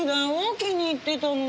気に入ってたのに。